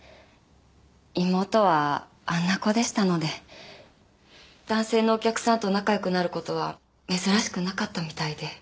妹はあんな子でしたので男性のお客さんと仲良くなる事は珍しくなかったみたいで。